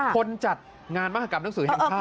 จัดงานมหากรรมหนังสือแห่งชาติ